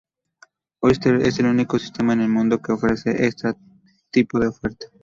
Oyster es el único sistema en el mundo que ofrece esta tipo de oferta.